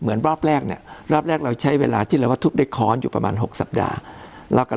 เหมือนรอบแรกเนี่ยรอบแรกเราใช้เวลาที่เราทุกข์ได้ค้อนอยู่ประมาณ๖สัปดาห์